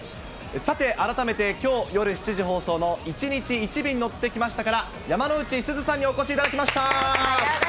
さて、改めて、きょう夜７時放送の１日１便乗ってきましたから、山之内すずさんにお越しいただきました。